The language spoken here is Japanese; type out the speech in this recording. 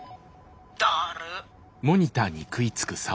「だる」。